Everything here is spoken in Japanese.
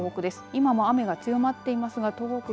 今も雨が強まっていますが東北